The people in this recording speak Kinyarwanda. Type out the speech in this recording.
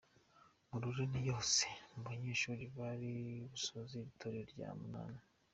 Morale ni yose ku banyeshuri bari busoze iri torero rya munani.